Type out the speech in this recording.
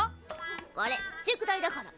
これ宿題だから。